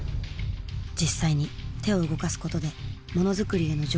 実際に手を動かすことでモノづくりへの情熱を取り戻す。